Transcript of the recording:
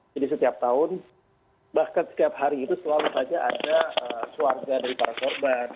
jadi setiap tahun bahkan setiap hari itu selalu saja ada warga dari para korban